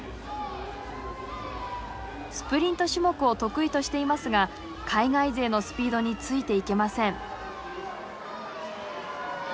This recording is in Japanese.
スプリント種目を得意としていますが海外勢のスピードについていけません。